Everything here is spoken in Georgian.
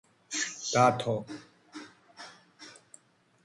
დათო